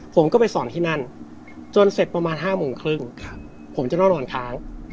ผมก็ไปสอนที่นั่นจนเสร็จประมาณ๕โมงครึ่งผมจะนอนค้าง